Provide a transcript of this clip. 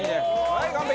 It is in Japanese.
はい完璧！